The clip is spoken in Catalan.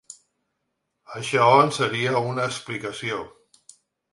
Això en seria una explicació.